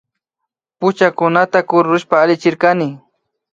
Puchakunata kururushpa allichirkani